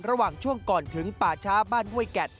ระหว่างช่วงก่อนถึงป่าช้าบ้านห้วยแกด